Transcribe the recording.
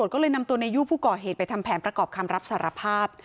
ก็เลยนำตัวในยู่ผู้ก่อเหตุไปทำแผนประกอบคำรับสารภาพ